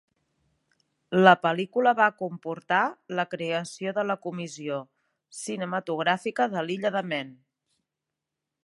La pel·lícula va comportar la creació de la Comissió Cinematogràfica de l'Illa de Man.